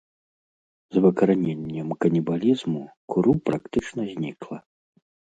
З выкараненнем канібалізму куру практычна знікла.